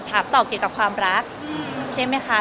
ถามต่อเกี่ยวกับความรักใช่ไหมคะ